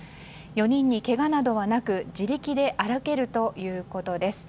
４人に、けがなどはなく自力で歩けるということです。